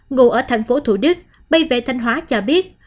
ngụ ở thành phố thủ đức bay về thanh hóa cho biết